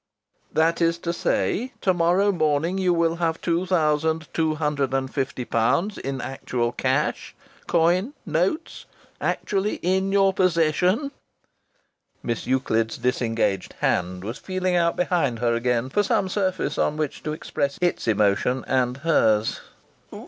"That is to say, to morrow morning you will have £2250 in actual cash coin, notes actually in your possession?" Miss Euclid's disengaged hand was feeling out behind her again for some surface upon which to express its emotion and hers.